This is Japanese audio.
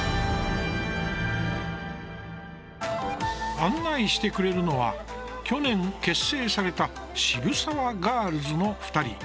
案内してくれるのは去年結成されたしぶさわガールズの２人。